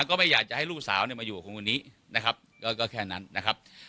ก็ไม่อยากจะให้ลูกสาวเนี่ยมาอยู่กับคนนี้นะครับก็แค่นั้นนะครับ